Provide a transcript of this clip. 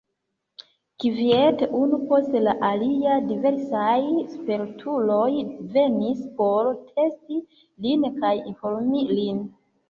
Kviete, unu post la alia, diversaj spertuloj venis por testi lin kaj informi lin.